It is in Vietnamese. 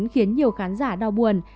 khiến nhiều khán giả đau buồn